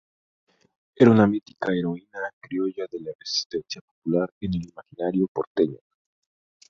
Era una mítica heroína criolla de la resistencia popular en el imaginario porteño.